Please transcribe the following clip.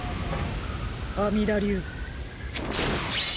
阿弥陀流。